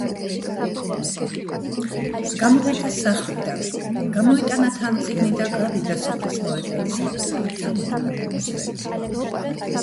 გამოვიდა სახლიდან, გამოიტანა თან წიგნი და გავიდა სოფლის მოედანზე. ჩამოჯდა კუნძზე,